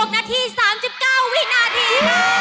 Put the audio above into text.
๖นาที๓๙วินาทีค่ะ